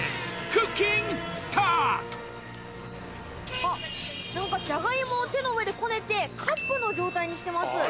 あっ何かジャガイモを手の上でこねてカップの状態にしてます。